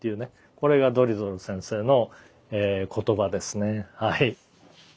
これがドリトル先生の言葉ですね。